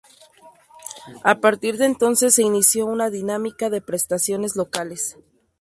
A partir de entonces se inició una dinámica de presentaciones locales.